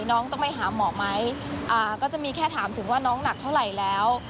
น้องต้องไปหาหมอไหมก็จะมีแค่ถามถึงว่าน้องหนักเท่าไหร่แล้ว